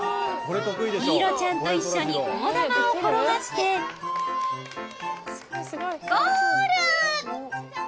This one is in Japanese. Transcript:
陽彩ちゃんと一緒に大玉を転がしてゴール！